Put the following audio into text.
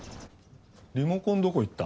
リモコンどこ行った？